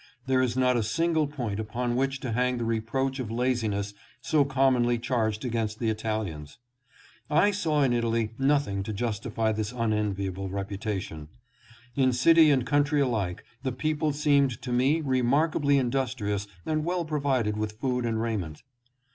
There is not a single point upon which to hang the reproach of laziness so commonly charged against the Italians. I saw in Italy nothing to justify this unen viable reputation. In city and country alike the people seemed to me remarkably industrious and well provided with food and raiment.